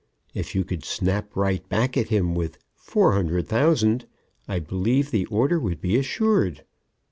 if you could snap right back at him with "Four hundred thousand, I believe," the order would be assured.